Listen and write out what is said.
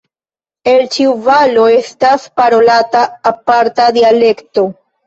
En ĉiu valo estas parolata aparta dialekto.